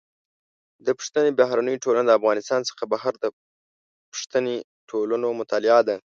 د پښتني بهرنۍ ټولنه د افغانستان څخه بهر د پښتني ټولنو مطالعه ده.